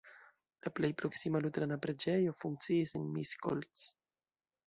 La plej proksima luterana preĝejo funkciis en Miskolc.